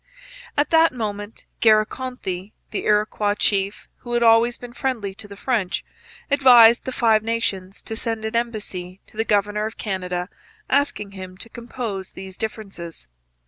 At that moment Garakonthie, the Iroquois chief who had always been friendly to the French, advised the Five Nations to send an embassy to the governor of Canada asking him to compose these differences.